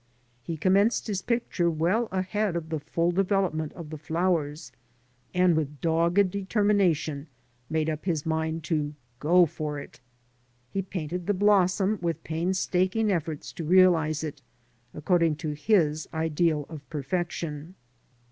He commenced his picture well ahead of the full development of the flowers, and with dogged determination made up his mind to go for it" He painted the blossom with painstaking efforts to realise it according to his ideal of perfection.